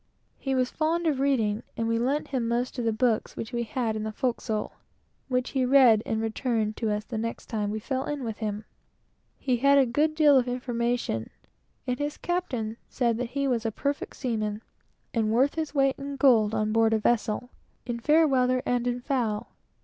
He was very fond of reading, and we lent him most of the books which we had in the forecastle, which he read and returned to us the next time we fell in with him. He had a good deal of information, and his captain said he was a perfect seaman, and worth his weight in gold on board a vessel, in fair weather and in foul.